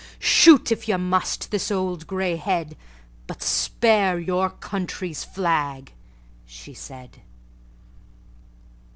"Shoot, if you must, this old gray head, But spare your country's flag," she said.